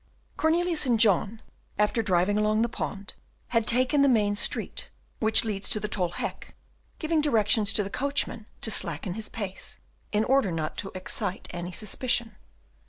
Cornelius and John, after driving along the pond, had taken the main street, which leads to the Tol Hek, giving directions to the coachman to slacken his pace, in order not to excite any suspicion.